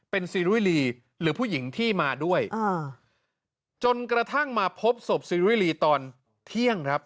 เป็นซีรุยรีหรือผู้หญิงที่มาด้วยอ่าจนกระทั่งมาพบศพซีริตอนเที่ยงครับ